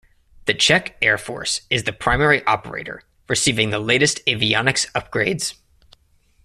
The Czech Air Force is the primary operator, receiving the latest avionics upgrades.